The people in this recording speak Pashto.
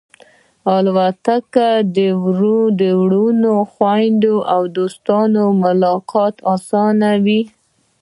الوتکه د وروڼو، خوېندو او دوستانو ملاقات آسانوي.